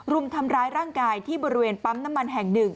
รุมทำร้ายร่างกายที่บริเวณปั๊มน้ำมันแห่งหนึ่ง